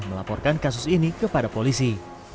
melaporkan kasus ini kepada polisi